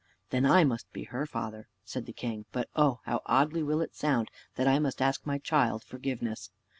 "Then I must be her father," said the king; "but oh! how oddly will it sound, that I must ask my child forgiveness."